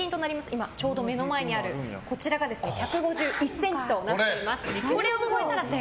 今ちょうど目の前にあるこちらが１５１ｃｍとなっています。